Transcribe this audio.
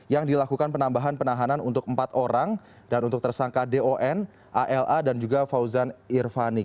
yang dilakukan penambahan penahanan untuk empat orang dan untuk tersangka don ala dan juga fauzan irvani